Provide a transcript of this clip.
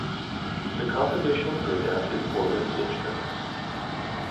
The composition was adapted for wind instruments.